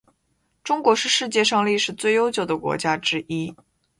中国是世界上历史最悠久的国家之一。